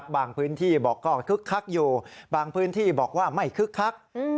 บางพื้นที่บอกก็คึกคักอยู่บางพื้นที่บอกว่าไม่คึกคัก